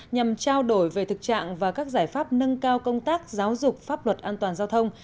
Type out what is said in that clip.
nhằm trao đổi về thực trạng và các giải pháp nâng cao công tác giáo dục pháp luật an toàn giao thông